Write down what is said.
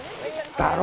だろ？